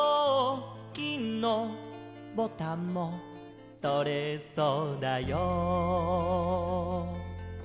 「金のボタンもとれそうだよ」